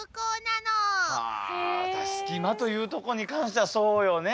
スキマというとこに関してはそうよね。